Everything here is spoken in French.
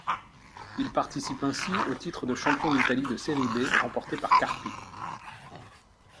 Il participe ainsi au titre de champion d'Italie de Serie B remporté par Carpi.